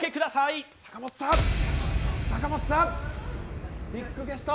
坂本さん、ビッグゲスト。